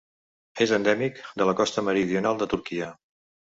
És endèmic de la costa meridional de Turquia.